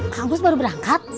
kang bus baru berangkat